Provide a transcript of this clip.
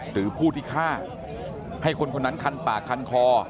หรือผู้ที่ฆ่าให้คนคนนั้นคันปากคันคอ